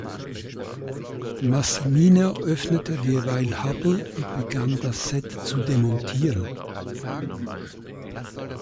Massimino öffnete derweil Hubble und begann, das Set zu demontieren.